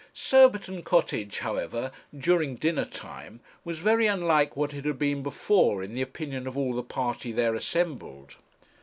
Surbiton Cottage, however, during dinnertime, was very unlike what it had been before, in the opinion of all the party there assembled.